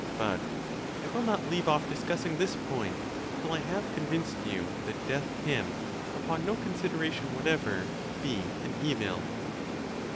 But I will not leave off discussing this point till I have convinced you that death can, upon no consideration whatever, be an evil.